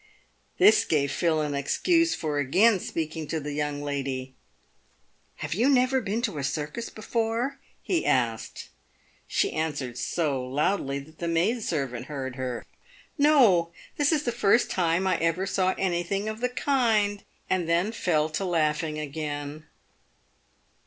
This gave Phil an excuse for again speaking to the young lady. " Have you never been to a circus before ?" he asked. She answered so loudly that the maid servant heard her, " No ; this is the first time I ever saw anything of the kind ;" and then fell to laughing again.